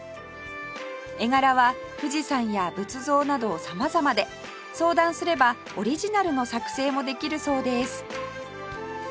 絵柄は富士山や仏像など様々で相談すればオリジナルの作製も出来るそうです